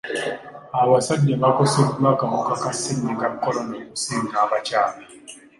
Abasajja bakoseddwa akawuka ka ssennyiga kolona okusinga abakyala.